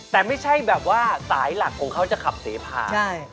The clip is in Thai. แต่ไม่ใช่แบบว่าสายหลักของเขาจะขับเสพา